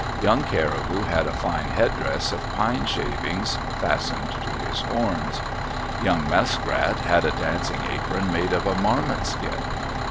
Young Caribou had a fine headdress of pine shavings fastened to his horns. Young Muskrat had a dancing apron made of a marmot skin.